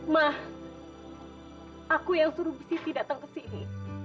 ma aku yang suruh bisiti datang ke sini